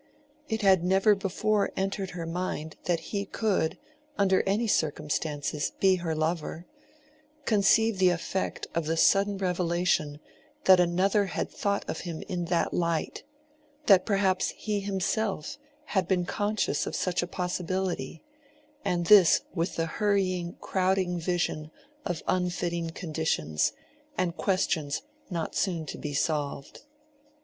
It had never before entered her mind that he could, under any circumstances, be her lover: conceive the effect of the sudden revelation that another had thought of him in that light—that perhaps he himself had been conscious of such a possibility,—and this with the hurrying, crowding vision of unfitting conditions, and questions not soon to be solved.